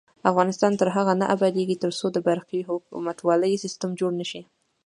افغانستان تر هغو نه ابادیږي، ترڅو د برقی حکومتولي سیستم جوړ نشي.